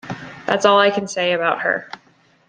That's all I can say about her.